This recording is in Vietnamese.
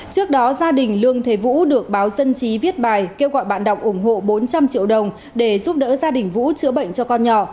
trước đó gia đình lương thế vũ được báo dân chí viết bài kêu gọi bạn đọc ủng hộ bốn trăm linh triệu đồng để giúp đỡ gia đình vũ chữa bệnh cho con nhỏ